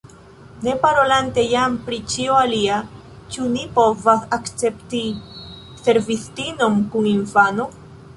Ne parolante jam pri ĉio alia, ĉu ni povas akcepti servistinon kun infano?